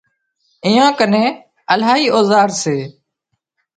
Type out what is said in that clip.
ايئان ڪنين الاهي اوزار سي